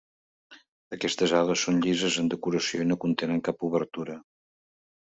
Aquestes ales són llises en decoració i no contenen cap obertura.